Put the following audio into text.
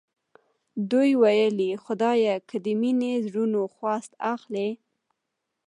دې وویل خدایه که د مینې زړونو خواست اخلې.